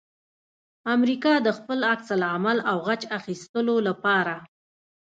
امریکا د خپل عکس العمل او غچ اخستلو لپاره